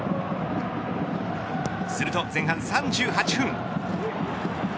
すると、前半３８分